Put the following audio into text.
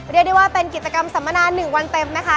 เดี๋ยวว่าเป็นกิจกรรมสัมมนา๑วันเต็มไหมคะ